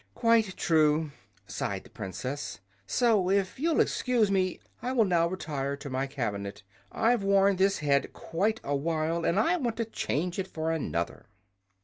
"Quite true," sighed the Princess. "So, if you'll excuse me, I will now retire to my cabinet. I've worn this head quite awhile, and I want to change it for another."